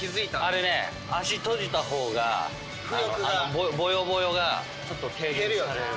あれね脚閉じた方があのぼよぼよがちょっと軽減される。